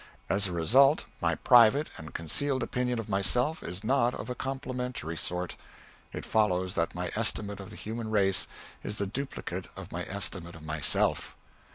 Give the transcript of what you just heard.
As a result, my private and concealed opinion of myself is not of a complimentary sort. It follows that my estimate of the human race is the duplicate of my estimate of myself.